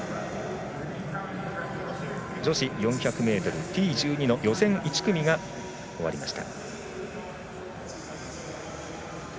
女子４００ｍＴ１２の予選１組が終わりました。